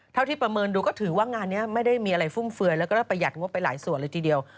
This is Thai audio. ที่ประเมินดูก็ถือว่างานนี้ไม่ได้มีอะไรฟุ่มเฟือยแล้วก็ประหยัดงบไปหลายส่วนเลยทีเดียว